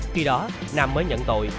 khi đó nam mới nhận tội